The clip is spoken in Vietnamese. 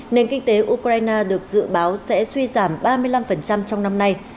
nền kinh tế ukraine được dự báo sẽ suy giảm ba mươi năm trong năm nay